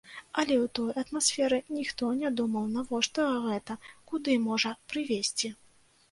Але ў той атмасферы ніхто не думаў, навошта гэта, куды можа прывесці.